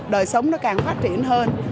đời sống nó càng phát triển hơn